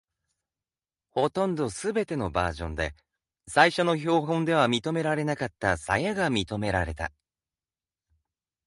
ほとんどすべてのバージョンで、最初の標本では認められなかった鞘が認められた。